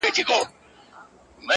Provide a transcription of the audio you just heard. زما د ميني جنډه پورته ښه ده.